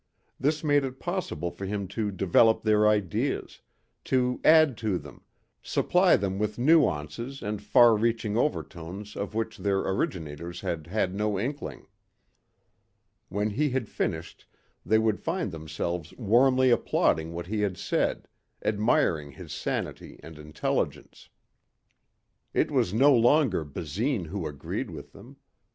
This made it possible for him to develop their ideas, to add to them, supply them with nuances and far reaching overtones of which their originators had had no inkling. When he had finished they would find themselves warmly applauding what he had said, admiring his sanity and intelligence. It was no longer Basine who agreed with them.